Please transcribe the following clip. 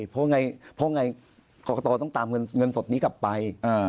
เพราะไงกรกตต้องตามเงินสดนี้กลับไป